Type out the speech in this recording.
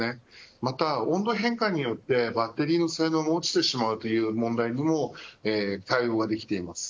また温度変化によってバッテリーの性能が落ちてしまうという問題にも対応ができています。